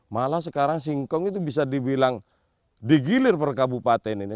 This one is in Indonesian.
malah sekarang singkong itu bisa dibilang digilir per kabupaten ini